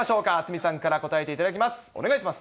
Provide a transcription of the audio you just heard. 鷲見さんから答えていただきます。